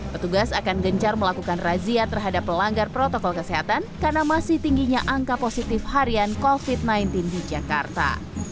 petugas akan gencar melakukan razia terhadap pelanggar protokol kesehatan karena masih tingginya angka positif harian covid sembilan belas di jakarta